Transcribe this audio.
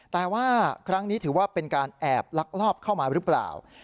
แต่ว่าครั้งนี้ถือว่าเป็นการแอบลักลอบเข้ามาหรือเปล่า